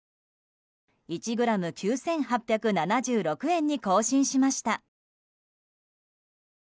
１ｇ９８７６円に更新しました。